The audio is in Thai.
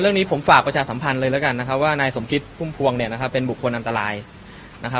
เรื่องนี้ผมฝากประชาสัมพันธ์เลยแล้วกันนะครับว่านายสมคิดพุ่มพวงเนี่ยนะครับเป็นบุคคลอันตรายนะครับ